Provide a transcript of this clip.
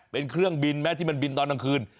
เป็นเครื่องบินไหมที่มันบินตอนกลางคืน